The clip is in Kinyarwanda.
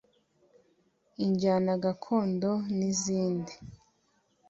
injyana gakondo n’izindi